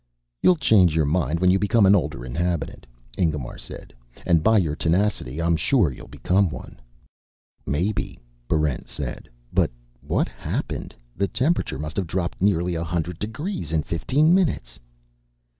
"You'll change your mind when you become an older inhabitant," Ingemar said. "And by your tenacity, I'm sure you'll become one." "Maybe," Barrent said. "But what happened? The temperature must have dropped nearly a hundred degrees in fifteen minutes."